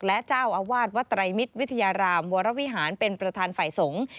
และเจ้าอาวาสวัดไตรมิตรวิทยารามวรวิหารเป็นประธานฝ่ายสงฆ์